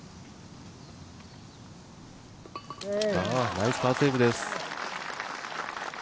ナイスパーセーブです。